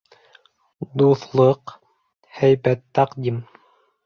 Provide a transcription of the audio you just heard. — Ду-у-ҫлык!.. һәйбәт тәҡдим...